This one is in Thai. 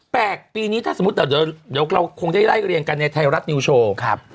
แปลกปีนี้ถ้าสมมุติเดี๋ยวเราคงได้ไล่เรียงกันในไทยรัฐนิวโชว์ครับ